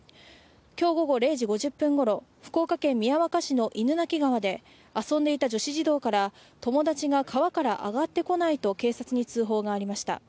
今日午後０時５０分ごろ、福岡県宮若市の犬鳴川で遊んでいた女子児童から友達が川から上がってこないと警察に通報がありました。